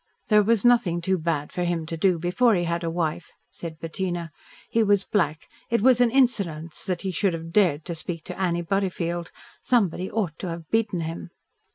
"There was nothing too bad for him to do before he had a wife," said Bettina. "He was black. It was an insolence that he should have dared to speak to Annie Butterfield. Somebody ought to have beaten him."